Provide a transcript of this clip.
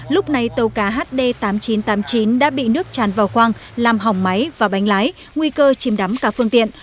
lúc này tàu cá hd tám nghìn chín trăm tám mươi chín đã bị nước tràn vào quang làm hỏng máy và bánh lái nguy cơ chìm đắm cả phương tiện